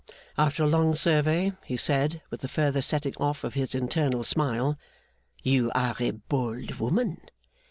After a long survey, he said, with the further setting off of his internal smile: 'You are a bold woman!